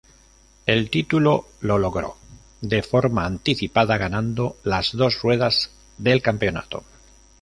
El título lo logró de forma anticipada ganando las dos ruedas del campeonato.